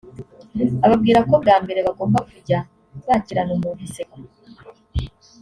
ababwira ko bwa mbere bagomba kujya bakirana umuntu inseko